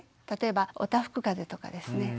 例えばおたふくかぜとかですね